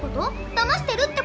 だましてるって事？